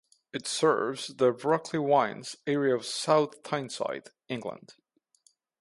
It serves the Brockley Whins area of South Tyneside, England.